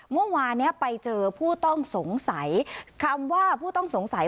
เมื่อวานเนี้ยไปเจอผู้ต้องสงสัยคำว่าผู้ต้องสงสัย